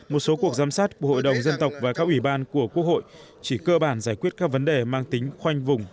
một số cuộc giám sát của hội đồng dân tộc và các ủy ban của quốc hội chỉ cơ bản giải quyết các vấn đề mang tính khoanh vùng